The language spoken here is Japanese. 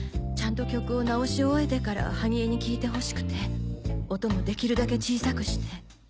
ちゃんと曲を直し終えてから萩江に聴いて欲しくて音もできるだけ小さくして。